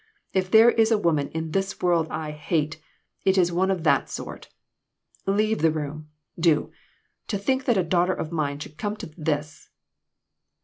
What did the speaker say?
If there is a woman in the world that I hate, it is one of that sort. Leave the room, do. To think that a daughter of mine should come to this